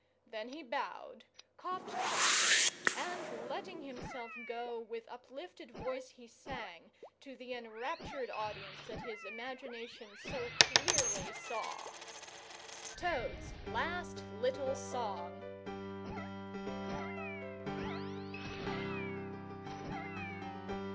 Then he bowed, coughed twice, and, letting himself go, with uplifted voice he sang, to the enraptured audience that his imagination so clearly saw. TOAD'S LAST LITTLE SONG!